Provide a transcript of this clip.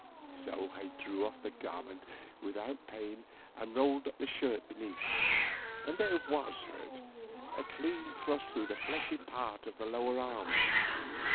So I drew off the garment, not without pain, and rolled up the shirt beneath, and there was the hurt, a clean thrust through the fleshy part of the lower arm.